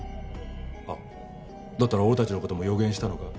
あっだったら俺たちの事も予言したのか？